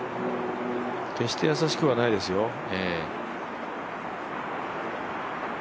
決して易しくはないですよ。